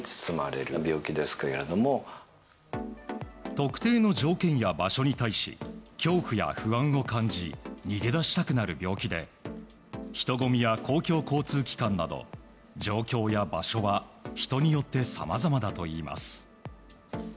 特定の条件や場所に対し恐怖や不安を感じ逃げ出したくなる病気で人混みや公共交通機関など状況や場所は人によってさまざまだといいます。